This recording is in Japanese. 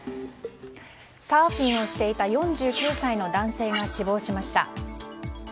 サーフィンをしていた４９歳の男性が死亡しました。